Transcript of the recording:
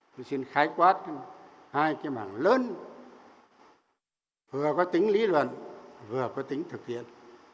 tôi xin khái quát hai cái mảng lớn vừa có tính lý luận vừa có tính thực hiện